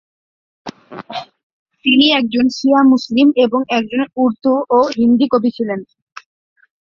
তিনি একজন শিয়া মুসলিম এবং একজন উর্দু ও হিন্দি কবি ছিলেন।